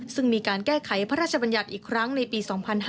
ซึ่งมีการแก้ไขพระราชบัญญัติอีกครั้งในปี๒๕๕๙